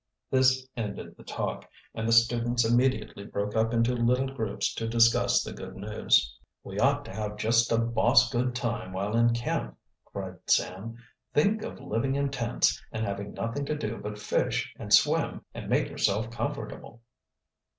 This ended the talk, and the students immediately broke up into little groups to discuss the good news. "We ought to have just a boss good time while in camp," cried Sam. "Think of living in tents, and having nothing to do but fish, and swim, and make yourself comfortable."